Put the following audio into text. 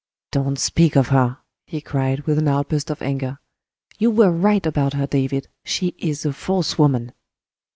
"Don't speak of her," he cried, with an outburst of anger. "You were right about her, David. She is a false woman."